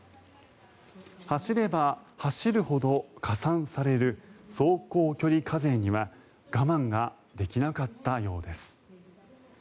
走れば走るほど加算される走行距離課税には我慢ができなかったようです。